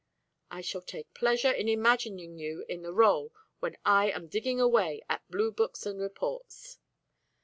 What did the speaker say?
"I shall take pleasure in imagining you in the rôle when I am digging away at Blue Books and Reports."